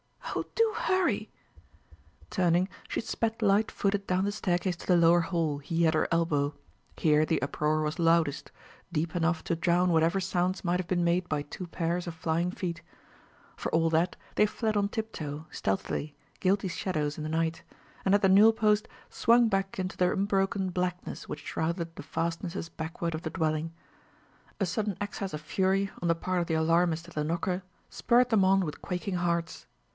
"Oh, do hurry!" Turning, she sped light footed down the staircase to the lower hall, he at her elbow. Here the uproar was loudest deep enough to drown whatever sounds might have been made by two pairs of flying feet. For all that they fled on tiptoe, stealthily, guilty shadows in the night; and at the newel post swung back into the unbroken blackness which shrouded the fastnesses backward of the dwelling. A sudden access of fury on the part of the alarmist at the knocker, spurred them on with quaking hearts.